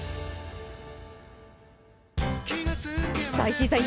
石井さん